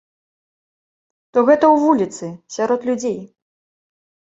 То гэта ў вуліцы, сярод людзей.